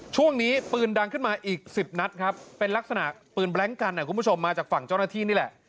ช่วงนี้ปืนดังขึ้นมาอีก๑๐นัดครับเป็นลักษณะปืนแบล็งกันคุณผู้ชมมาจากฝั่งเจ้าหน้าที่นี่แหละ